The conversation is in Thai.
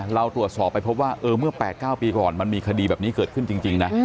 เราตรวจสอบไปพบว่าเมื่อ๘๙ปีก่อนมันมีคดีแบบนี้เกิดขึ้นจริงนะ